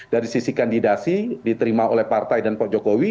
dari sisi kandidasi diterima oleh partai dan pak jokowi